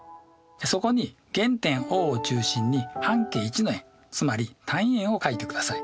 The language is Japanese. そこに原点Ｏを中心に半径１の円つまり単位円を書いてください。